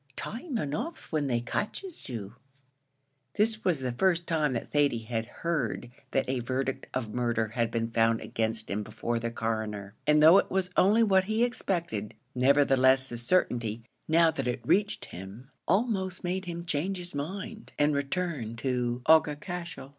Time enough when they catches you." This was the first time that Thady had heard that a verdict of murder had been found against him before the Coroner, and though it was only what he expected, nevertheless the certainty, now that it reached him, almost made him change his mind and return to Aughacashel.